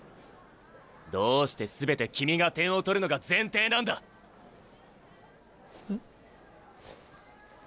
どうして全て君が点を取るのが前提なんだ？え？